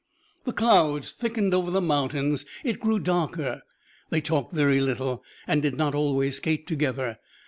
The clouds thickened over the mountains. It grew darker. They talked very little, and did not always skate together.